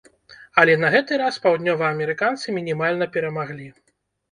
Але на гэты раз паўднёваамерыканцы мінімальна перамаглі.